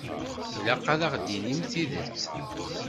Ilaq ad aɣ-d-tinimt tidet.